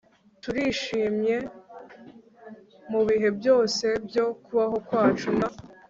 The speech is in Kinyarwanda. turishimye mubihe byose byo kubaho kwacu n